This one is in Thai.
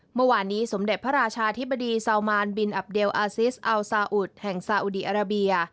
เมื่อวานนี้สมเด็จพระราชาธิบดีซาวมานบินอับเดลอาซิสอัลซาอุดแห่งซาอุดีอาราเบีย